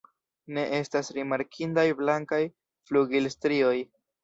Ne estas rimarkindaj blankaj flugilstrioj.